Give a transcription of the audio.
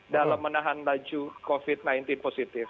dalam menahan laju covid sembilan belas positif